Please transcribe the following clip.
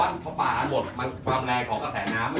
จริงไหมครับว่าถ้าอ่ะผ่าหมดมันความแรงของแขกน้ำ